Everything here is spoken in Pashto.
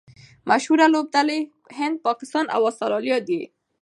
مشهوره لوبډلي هند، پاکستان او اسټرالیا دي.